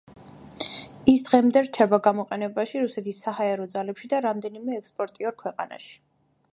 ის დღემდე რჩება გამოყენებაში რუსეთის საჰაერო ძალებში და რამდენიმე ექსპორტიორ ქვეყანაში.